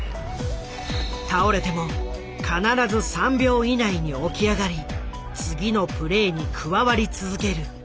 倒れても必ず３秒以内に起き上がり次のプレーに加わり続けるリロード。